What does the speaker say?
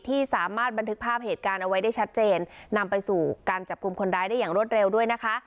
ที่สามารถบันทึกภาพเหตุการณ์เอาไว้ได้ชัดเจนนำไปสู่การจับกลุ่มคนร้ายได้อย่างรวดเร็วด้วยนะคะ